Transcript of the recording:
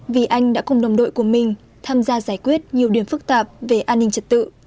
vì anh đã cùng đồng đội của mình tham gia giải quyết nhiều điểm phức tạp về an ninh trật tự